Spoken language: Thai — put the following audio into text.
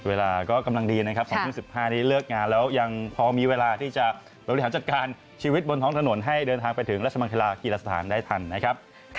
เวลาก็กำลังดีนะครับ๒ทุ่ม๑๕นี้เลิกงานแล้วยังพอมีเวลาที่จะบริหารจัดการชีวิตบนท้องถนนให้เดินทางไปถึงราชมังคลากีฬาสถานได้ทันนะครับ